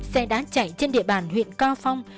xe đán chạy trên địa bàn huyện cao phong